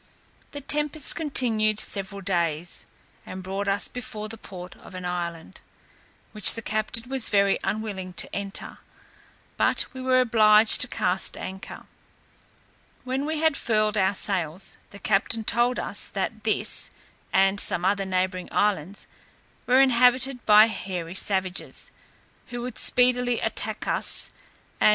The tempest continued several days, and brought us before the port of an island, which the captain was very unwilling to enter; but we were obliged to cast anchor. When we had furled our sails, the captain told us, that this, and some other neighbouring islands, were inhabited by hairy savages, who would speedily attack us; and.